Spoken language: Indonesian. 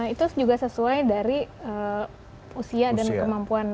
itu juga sesuai dari usia dan kemampuan